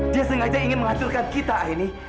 dia sengaja ingin menghancurkan kita ini